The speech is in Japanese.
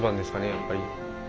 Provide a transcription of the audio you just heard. やっぱり。